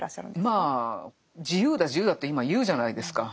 まあ「自由だ自由だ」って今言うじゃないですか。